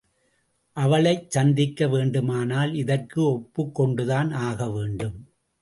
அவளைச் சந்திக்க வேண்டுமானால் இதற்கு ஒப்புக் கொண்டுதான் ஆகவேண்டும்.